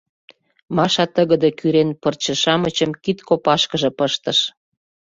Маша тыгыде кӱрен пырче-шамычым кид копашкыже пыштыш.